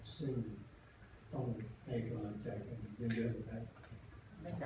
ซึ่งต้องให้กำลังใจกันเรื่องนะ